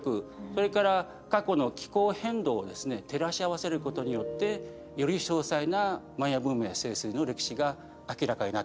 それから過去の気候変動をですね照らし合わせることによってより詳細なマヤ文明盛衰の歴史が明らかになってくると思います。